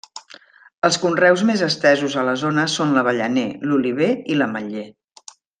Els conreus més estesos a la zona són l'avellaner, l'oliver i l'ametller.